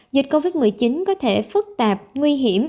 dịch covid một mươi chín có thể phức tạp nguy hiểm